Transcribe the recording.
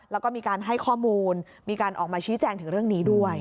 แล้วก็มีการให้ข้อมูลมีการออกมาชี้แจงถึงเรื่องนี้ด้วย